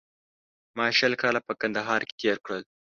ما شل کاله په کندهار کې تېر کړل